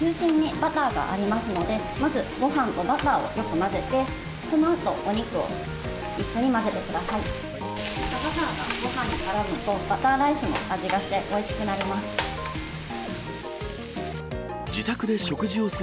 バターがごはんに絡むと、バターライスの味がしておいしくなります。